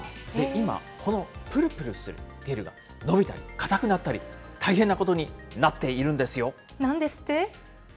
今、このぷるぷるするゲルが伸びたり、硬くなったり、大変なことになっているんでなんですって？